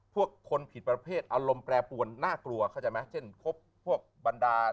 คนผิดประเภทอารมณ์แปรปวนน่ากลัวเข้าใจไหมเช่นครบพวกบรรดา